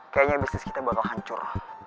kayaknya bisnis kita bakal hancur